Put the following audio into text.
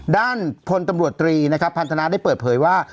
ด้านพลตำรวจตรีนะครับพันธนาได้เปิดเผยว่า